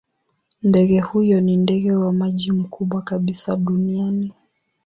Ndege huyo ni ndege wa maji mkubwa kabisa duniani.